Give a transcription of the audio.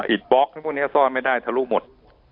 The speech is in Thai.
อิฐบล๊อกแล้วพวกนนี้ซ่อนไม่ได้ทรุกหมด